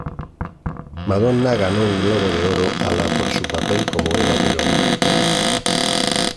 Madonna ganó un Globo de Oro a la por su papel como Eva Perón.